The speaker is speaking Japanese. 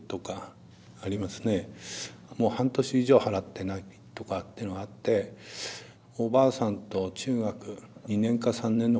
もう半年以上払ってないとかっていうのがあっておばあさんと中学２年か３年の子がいるうちだった。